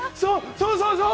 そうそうそう！